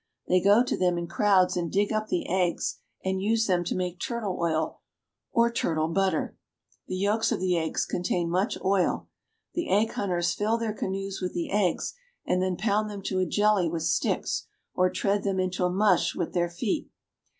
They go to them in crowds and dig up the eggs, and use them to make turtle oil or turtle butter. The yolks of the eggs contain much oil. The egg hunters fill their canoes with the eggs and then pound them to a jelly with sticks, or tread them into 312 BRAZIL. a mush with their feet.